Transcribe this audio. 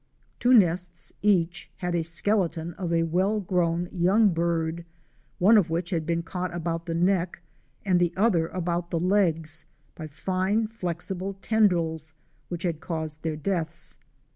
Two nests each had a skeleton of a well grown young bird; one of which had been caught about the neck, and the other about the legs by fine flexible tendrils which had caused their deaths.